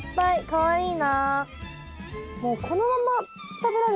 かわいい！